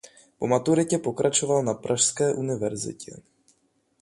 Po maturitě pokračoval na pražské univerzitě.